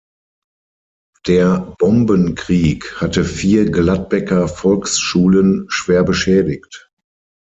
Der Bombenkrieg hatte vier Gladbecker Volksschulen schwer beschädigt.